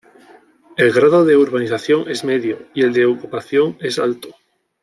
El grado de urbanización es medio y el de ocupación es alto.